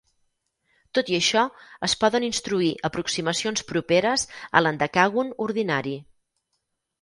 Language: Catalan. Tot i això, es poden instruir aproximacions properes a l"hendecàgon ordinari.